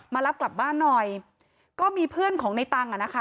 รับกลับบ้านหน่อยก็มีเพื่อนของในตังค์อ่ะนะคะ